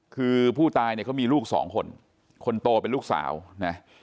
คือผู้ตายเนี่ยเขามีลูกสองคนคนโตเป็นลูกสาวนะ